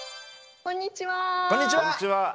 こんにちは。